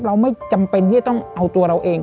เราไม่จำเป็นที่จะต้องเอาตัวเราเอง